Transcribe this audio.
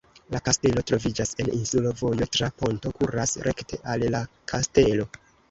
La kastelo troviĝas en insulo, vojo tra ponto kuras rekte al la kastelo.